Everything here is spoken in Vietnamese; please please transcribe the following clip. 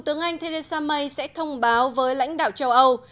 tướng anh theresa may sẽ thông báo với lãnh đạo châu âu